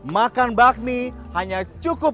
makan bakmi hanya cukup